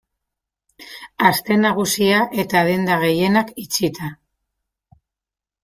Aste Nagusia eta denda gehienak itxita.